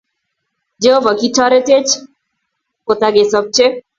Jehovah, ki-itoretech ko ta kesabche